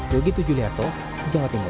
begitu juliarto jawa timur